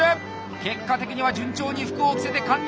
結果的には順調に服を着せて完了。